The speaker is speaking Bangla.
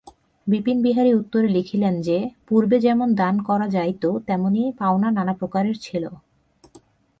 বিপিনবিহারী উত্তরে লিখিলেন যে, পূর্বে যেমন দান করা যাইত তেমনি পাওনা নানাপ্রকারের ছিল।